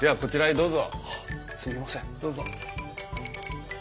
どうぞ。